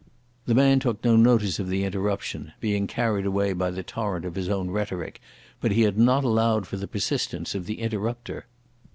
The man took no notice of the interruption, being carried away by the torrent of his own rhetoric, but he had not allowed for the persistence of the interrupter.